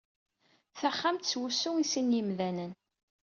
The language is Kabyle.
Taxxamt s wusu i sin yemdanen.